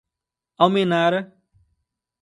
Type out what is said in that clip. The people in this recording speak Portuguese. Almenara